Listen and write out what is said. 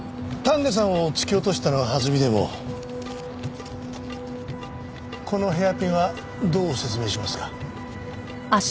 丹下さんを突き落としたのははずみでもこのヘアピンはどう説明しますか？